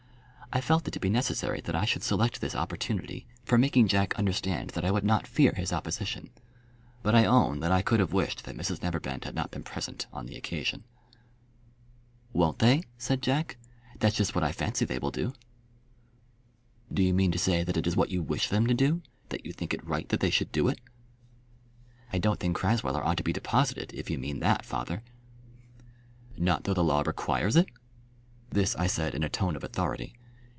I felt it to be necessary that I should select this opportunity for making Jack understand that I would not fear his opposition; but I own that I could have wished that Mrs Neverbend had not been present on the occasion. "Won't they?" said Jack. "That's just what I fancy they will do." "Do you mean to say that it is what you wish them to do, that you think it right that they should do it?" "I don't think Crasweller ought to be deposited, if you mean that, father." "Not though the law requires it?" This I said in a tone of authority.